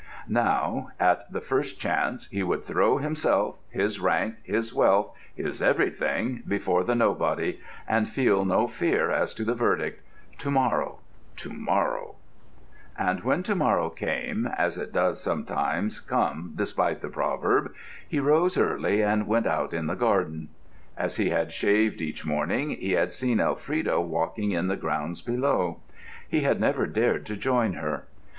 Now, at the first chance, he would throw himself, his rank, his wealth, his everything before the nobody, and feel no fear as to the verdict. To morrow—to morrow! And when to morrow came, as it does sometimes come despite the proverb, he rose early and went out in the garden. As he had shaved each morning, he had seen Elfrida walking in the grounds below. He had never dared to join her.